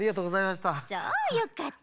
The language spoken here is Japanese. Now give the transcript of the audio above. そうよかった。